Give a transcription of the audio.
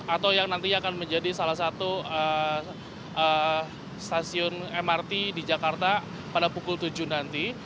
atau yang nantinya akan menjadi salah satu stasiun mrt di jakarta pada pukul tujuh nanti